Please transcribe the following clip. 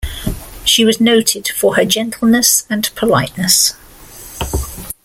She was noted for her gentleness and politeness.